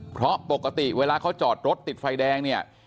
เพราะปกติเวลาเขาจอดรถติดไฟแดงเนี่ย